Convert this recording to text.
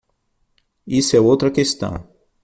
Isso é outra questão.